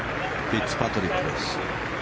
フィッツパトリックです。